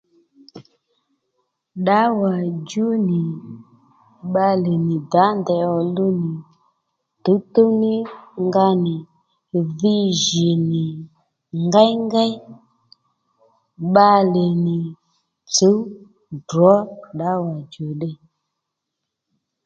Ddǎwà djú nì bbalè nì dǎ ndèy òluw nì tǔwtǔw ní nga nì dhi jì nì ngéyngéy bbalè nì tsǔw drǒ ddǎwa djò ddiy